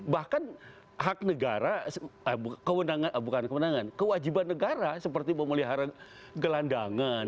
bahkan hak negara bukan kewenangan kewajiban negara seperti memelihara gelandangan